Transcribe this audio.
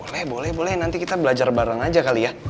boleh boleh nanti kita belajar bareng aja kali ya